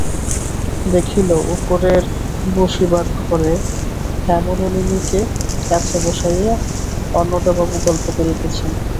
দেখিল, উপরের বসিবার ঘরে হেমনলিনীকে কাছে বসাইয়া অন্নদাবাবু গল্প করিতেছেন।